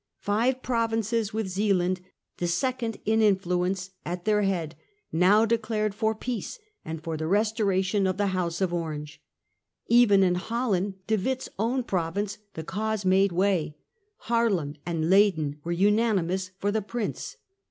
Five provinces, with Zealand, the second in influence, at their head, now declared for peace, and for the restoration of the House of Orange. Even in Holland, De Witt's own province, the cause made way. Haarlem and Leyden were unanimous for the Prince.